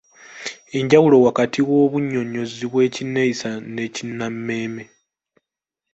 Enjawulo wakati w’obunnyonnyozi bw’Ekinneeyisa n’Ekinnammeeme.